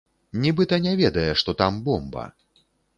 Нібыта не ведае, што там бомба.